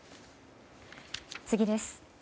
次です。